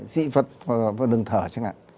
dị vật vào đường thở chẳng hạn